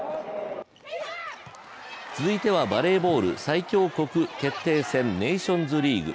続いてはバレーボール最強国決定戦ネーションズリーグ。